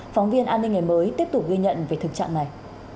phóng viên an ninh ngày mới tiếp tục ghi nhận về thực trạng này